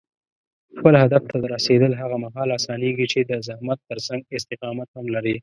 خپل هدف ته رسېدل هغه مهال اسانېږي چې د زحمت ترڅنګ استقامت هم لرې.